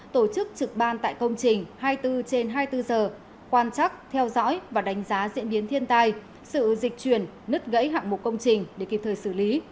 tổ chức trực ban tại công trình hai mươi bốn trên hai mươi bốn giờ quan chắc theo dõi và đánh giá diễn biến thiên tai sự dịch chuyển nứt gãy hạng mục công trình để kịp thời xử lý